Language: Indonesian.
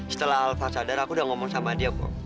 setelah alva sadar aku udah ngomong sama dia